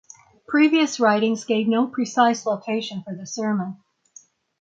Previous writings gave no precise location for the sermon.